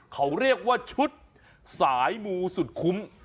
เขาเรียกว่าชุดสายมูสุดคุ้ม